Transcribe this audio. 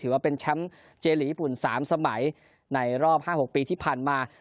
ถือว่าเป็นแชมป์เจลีญี่ปุ่น๓สมัยในรอบ๕๖ปีที่ผ่านมา